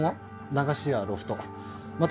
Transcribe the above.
流しやロフトまた